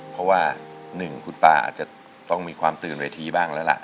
เพราะว่าหนึ่งคุณป้าอาจจะต้องมีความตื่นเวทีบ้างแล้วล่ะ